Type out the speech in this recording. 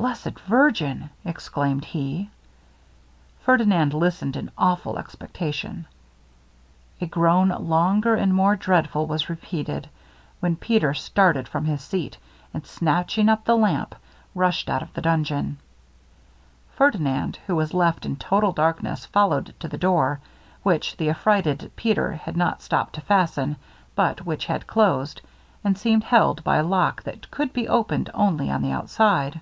'Blessed virgin!' exclaimed he: Ferdinand listened in awful expectation. A groan longer and more dreadful was repeated, when Peter started from his seat, and snatching up the lamp, rushed out of the dungeon. Ferdinand, who was left in total darkness, followed to the door, which the affrighted Peter had not stopped to fasten, but which had closed, and seemed held by a lock that could be opened only on the outside.